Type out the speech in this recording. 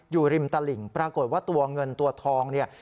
อยู่ริมตลิ่งปรากฏว่าตัวเงินตัวทองเนี่ย